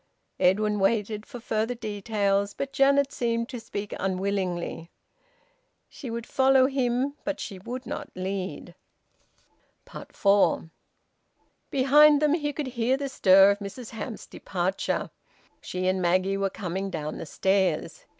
Edwin waited for further details, but Janet seemed to speak unwilling. She would follow him, but she would not lead. FOUR. Behind them he could hear the stir of Mrs Hamps's departure. She and Maggie were coming down the stairs.